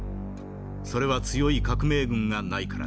それは強い革命軍がないからだ。